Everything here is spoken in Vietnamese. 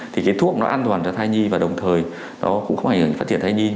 thì cái thuốc nó an toàn cho thai nhi và đồng thời nó cũng không ảnh hưởng đến phát triển thai nhi